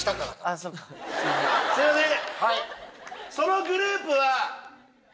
すいません！